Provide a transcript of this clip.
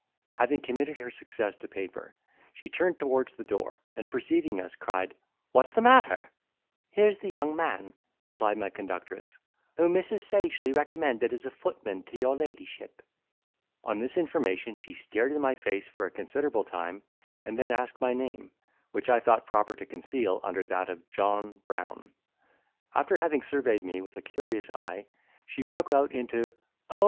Having committed her success to paper, she turned towards the door, and perceiving us, cried, "What's the matter?" "Here's the young man," replied my conductress, "whom Mrs. Sagely recommended as a footman to your ladyship." On this information she stared in my face for a considerable time, and then asked my name, which I thought proper to conceal under that of John Brown. After having surveyed me with a curious eye, she broke out into, "O!